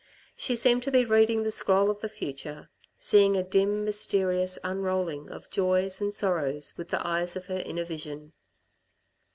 She seemed to be reading the scroll of the future, seeing a dim, mysterious unrolling of joys and sorrows with the eyes of her inner vision.